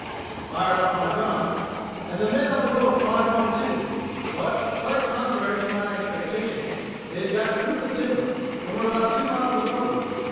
I fired off my gun, and the men on the boat fired one too. But, quite contrary to my expectations, they had got through the timber, and were about two miles above me.